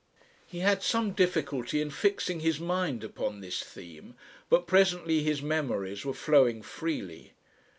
He had some difficulty in fixing his mind upon this theme, but presently his memories were flowing freely.